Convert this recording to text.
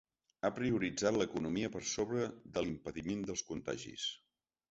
Ha prioritzat l’economia per sobre de l’impediment dels contagis.